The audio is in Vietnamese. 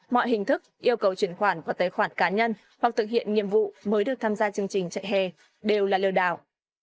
mọi hình thức yêu cầu chuyển khoản và tế khoản cá nhân hoặc thực hiện nhiệm vụ mới được tham gia chương trình chạy hè đều là lừa đảo